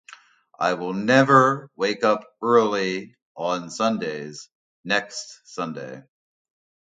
I will never wake up early on Sundays next Sunday.